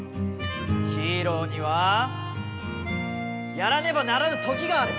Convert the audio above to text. ヒーローにはやらねばならぬときがある！